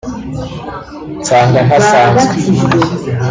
nsanga ntasanzwe